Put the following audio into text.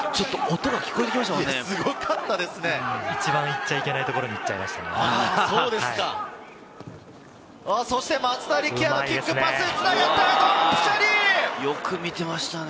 音が聞こえてきましたよね。